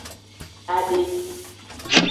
Adedi.